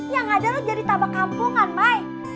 yang ada lo jadi tabak kampungan mai